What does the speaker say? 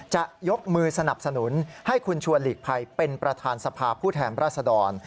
จะยกมือสนับสนุนให้คุณชวนหลีกภัยเป็นประธานสภาผู้แทนราชดร